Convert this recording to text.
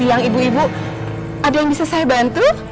sama siang ibu ibu ada yang bisa saya bantu